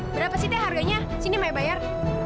berapa sih teh harganya sini maya bayar